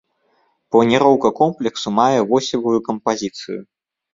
Планіроўка комплексу мае восевую кампазіцыю.